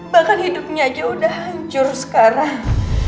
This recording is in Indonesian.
bahkan hidupnya aja udah hancur sekarang